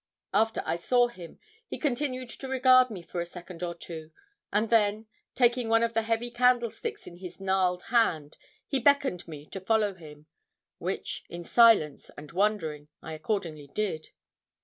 After I saw him, he continued to regard me for a second or two; and then, taking one of the heavy candlesticks in his gnarled hand, he beckoned me to follow him; which, in silence and wondering, I accordingly did.